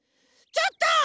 ちょっと！